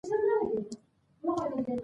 کرکټ د بازيو له لاري ښوونه کوي.